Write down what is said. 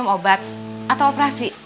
obat atau operasi